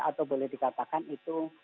atau boleh dikatakan itu